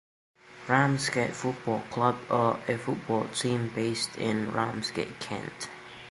Ramsgate Football Club are a football team based in Ramsgate, Kent.